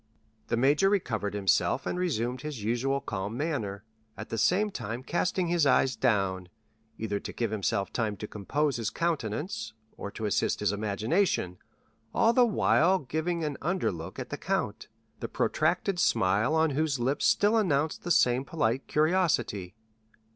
The major recovered himself, and resumed his usual calm manner, at the same time casting his eyes down, either to give himself time to compose his countenance, or to assist his imagination, all the while giving an under look at the count, the protracted smile on whose lips still announced the same polite curiosity.